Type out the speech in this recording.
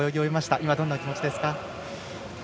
今、どんなお気持ちですか？